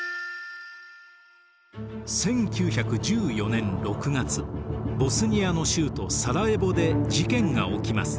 １９１４年６月ボスニアの州都サライェヴォで事件が起きます。